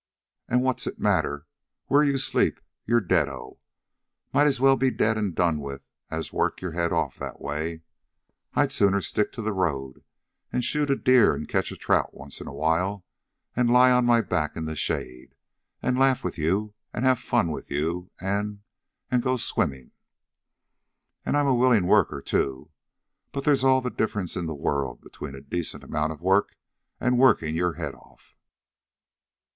An' what's it matter where you sleep, you're deado. Might as well be dead an' done with it as work your head off that way. I'd sooner stick to the road, an' shoot a deer an' catch a trout once in a while, an' lie on my back in the shade, an' laugh with you an' have fun with you, an'... an' go swimmin'. An' I 'm a willin' worker, too. But they's all the difference in the world between a decent amount of work an' workin' your head off."